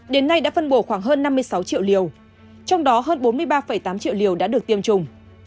đến nay đã phân bổ khoảng hơn năm mươi sáu triệu liều trong đó hơn bốn mươi ba tám triệu liều đã được tiêm chủng